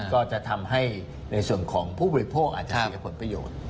ก็จะทำให้ในส่วนของผู้บริโภคอาจจะเสียผลประโยชน์